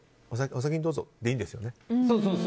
お先にどうぞでいいんですよね。